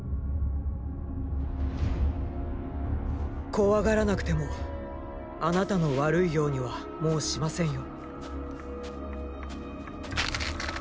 怖がらなくてもあなたの悪いようにはもうしませんよ。